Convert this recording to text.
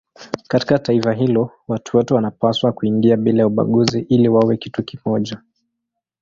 Katika taifa hilo watu wote wanapaswa kuingia bila ya ubaguzi ili wawe kitu kimoja.